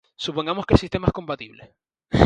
Supongamos que el sistema es compatible.